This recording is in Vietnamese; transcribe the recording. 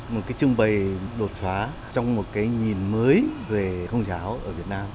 một cái trưng bày đột phá trong một cái nhìn mới về công giáo ở việt nam